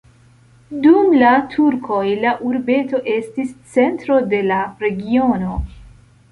Dum la turkoj la urbeto estis centro de la regiono.